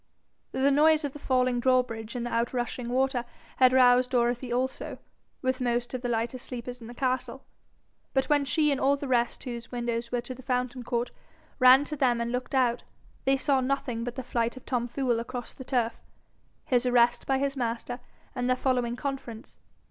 The noise of the falling drawbridge and the out rushing water had roused Dorothy also, with most of the lighter sleepers in the castle; but when she and all the rest whose windows were to the fountain court, ran to them and looked out, they saw nothing but the flight of Tom Fool across the turf, its arrest by his master, and their following conference.